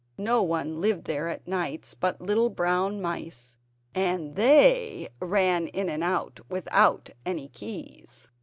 No one lived there at nights but little brown mice, and THEY ran in and out without any keys!